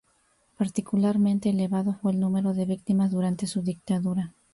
Particularmente elevado fue el número de víctimas durante su dictadura.